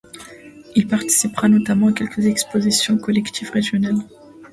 Il participera notamment à quelques expositions collectives régionales.